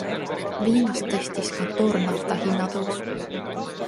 Viimast tõstis ka toornafta hinnatõus.